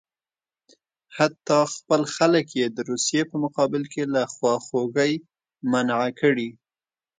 حتی خپل خلک یې د روسیې په مقابل کې له خواخوږۍ منع کړي.